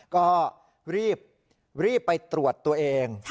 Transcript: ก็รีบไปตรวจตัวเอง